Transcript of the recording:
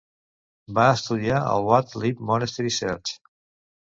Va estudiar al Wat Liep Monastery Sch.